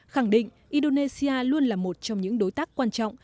khẳng định indonesia luôn là một trong những đối tác quan trọng